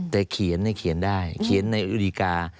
แต่เขียนเนี่ยเขียนได้เขียนในอีกา